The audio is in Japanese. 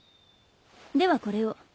ではこれを。